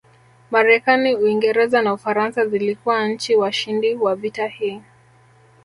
Marekani Uingereza na Ufaransa zilikuwa nchi washindi wa vita hii